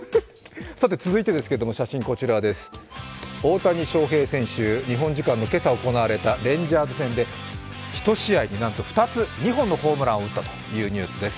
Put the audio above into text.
さて続いて、大谷翔平選手、日本時間の今朝行われたレンジャーズ戦で１試合になんと２本のホームランを打ったというニュースです。